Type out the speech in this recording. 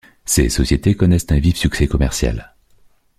Ces sociétés connaissent un vif succès commercial.